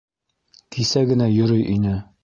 Кисә генә йөрөй ине!